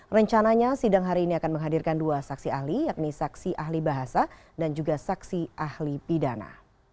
rencananya sidang hari ini akan menghadirkan dua saksi ahli yakni saksi ahli bahasa dan juga saksi ahli pidana